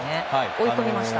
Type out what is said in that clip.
追い込みました。